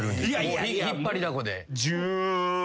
引っ張りだこで。